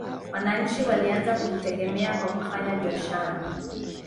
wananchi walianza kujitegemea kwa kufanya biashara